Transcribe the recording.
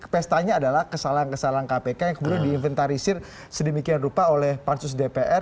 pestanya adalah kesalahan kesalahan kpk yang kemudian diinventarisir sedemikian rupa oleh pansus dpr